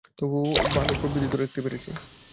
তবুও ভালো প্রবৃদ্ধি ধরে রাখতে পেরেছি।